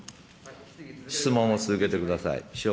質問を続けてください。